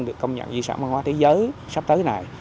được công nhận di sản văn hóa thế giới sắp tới này